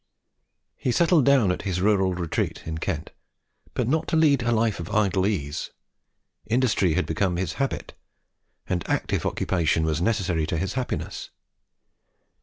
He settled down at his rural retreat in Kent, but not to lead a life of idle ease. Industry had become his habit, and active occupation was necessary to his happiness.